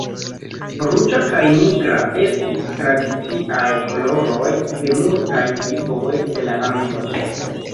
Ruĝa kaj nigra estis tradiciaj koloroj de multaj triboj de la lando.